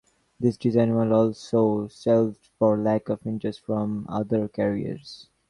This design was also shelved for lack of interest from other carriers.